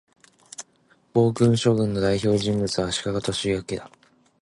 暴君将軍の代表人物は、足利義教だ